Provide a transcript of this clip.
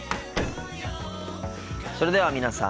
それでは皆さん